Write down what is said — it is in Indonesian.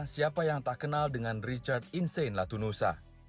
siapa yang tak kenal dengan richard insane latunusa